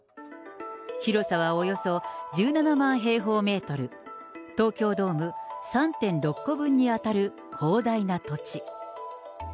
広さはおよそ１７万平方メートル、東京ドーム３．６個分に当たる広大な土地。